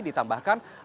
ditarik dari saksi